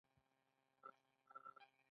د منصفانه اجراآتو اصول باید شتون ولري.